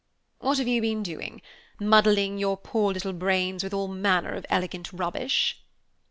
"What have you been doing? Muddling your poor little brains with all manner of elegant rubbish?"